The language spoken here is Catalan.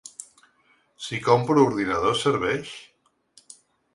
Si compro ordinadors serveix?